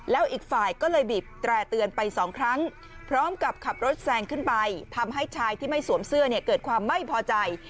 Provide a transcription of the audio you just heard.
แล้วอีกฝ่ายก็เลยบีบแตร่เตือนไปสองครั้งพร้อมกับขับรถแซงขึ้นไปทำให้ชายที่ไม่สวมเสื้อเนี่ยเกิดความไม่พอใจ